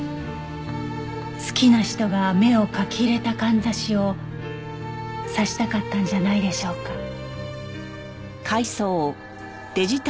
好きな人が目を描き入れたかんざしを挿したかったんじゃないでしょうか。